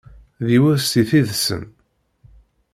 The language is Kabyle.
D yiwet si tid-nsen.